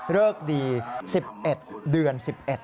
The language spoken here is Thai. เลิกดี๑๑เดือน๑๑